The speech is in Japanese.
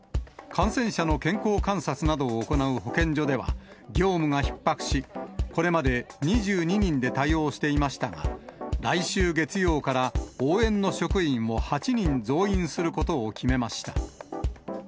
感染者の健康観察などを行う保健所では、業務がひっ迫し、これまで２２人で対応していましたが、来週月曜から、応援の職員を８人増員することを決めました。